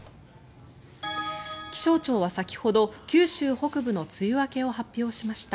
気象庁は先ほど九州北部の梅雨明けを発表しました。